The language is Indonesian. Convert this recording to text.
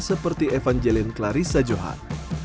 seperti evangelin clarissa johan